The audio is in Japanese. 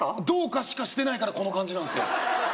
どうかしかしてないからこの感じなんすよ